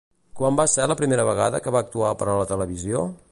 Quan va ser la primera vegada que va actuar per a la televisió?